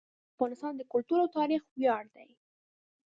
پښتانه د افغانستان د کلتور او تاریخ ویاړ دي.